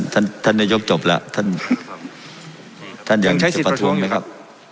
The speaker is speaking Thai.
ท่านท่านนายกจบแล้วท่านท่านยังใช้สิทธิ์ประท้วงนะครับ